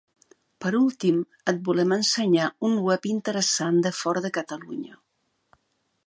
Per últim, et volem ensenyar un web interessant de fora de Catalunya.